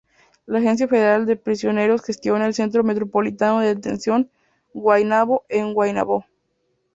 La Agencia Federal de Prisiones gestiona el Centro Metropolitano de Detención, Guaynabo en Guaynabo.